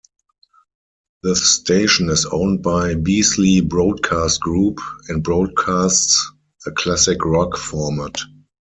The station is owned by Beasley Broadcast Group and broadcasts a classic rock format.